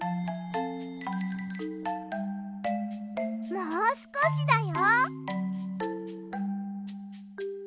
もうすこしだよ！